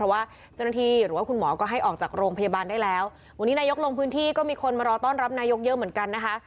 วันนี้นายกก็มีคนมารอต้อนรับนายกเยอะเหมือนกันนะฮะ